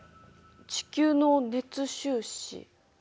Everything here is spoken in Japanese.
地球の熱収支。